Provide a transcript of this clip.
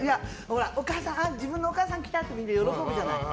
自分のお母さんが来た！ってみんな喜ぶじゃない。